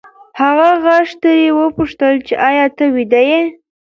هغه غږ ترې وپوښتل چې ایا ته ویده یې؟